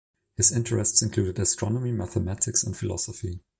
His interests included astronomy, mathematics, and philosophy.